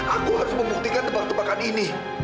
aku harus membuktikan tebak tebakan ini